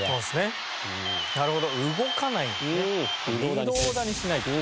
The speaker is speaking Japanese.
微動だにしない。